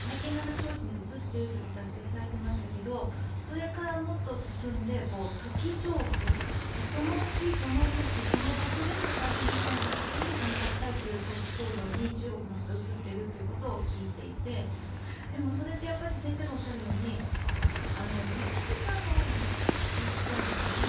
消費に移っているということは指摘されていましたけれどそれからもっと進んでトキ消費その日その時その場所でしか体験できないようなことに参加したいという消費行動に中国の方は移っているということを聞いていてそれって先生がおっしゃるようにリピーターが多いということなんですね。